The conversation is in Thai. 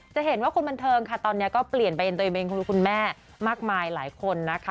จะเห็นว่าคนบันเทิงค่ะตอนนี้ก็เปลี่ยนไปเป็นตัวเองเป็นคุณแม่มากมายหลายคนนะคะ